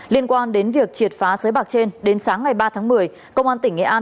liên quan đến việc triệt phá xới bạc trên đến sáng ngày ba tháng một mươi công an tỉnh nghệ an